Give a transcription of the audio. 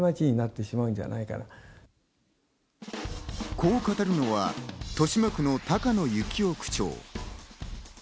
こう語るのは豊島区の高野之夫区長。